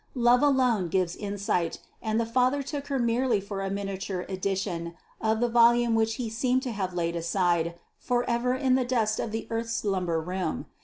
Love alone gives insight, and the father took her merely for a miniature edition of the volume which he seemed to have laid aside for ever in the dust of the earth's lumber room.